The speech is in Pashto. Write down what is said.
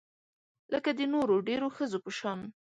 لکه د نورو ډیرو ښځو په شان